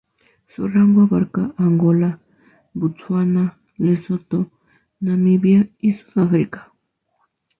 Su rango abarca Angola, Botsuana, Lesoto, Namibia, y Sudáfrica.